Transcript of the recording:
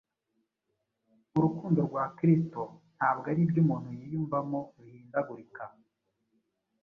Urukundo rwa Kristo ntabwo ari ibyo umuntu yiyumvamo bihindagurika,